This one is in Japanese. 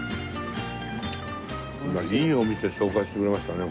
いいお店紹介してくれましたね